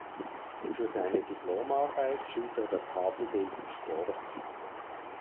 Für seine Diplomarbeit schuf er das Tafelbild „Sport“.